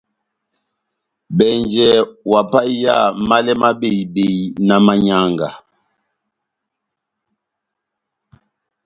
Bɛnjɛ ohapahiya málɛ má behi-behi na manyanga.